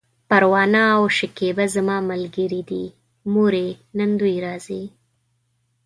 پروانه او شکيبه زما ملګرې دي، مورې! نن دوی راځي!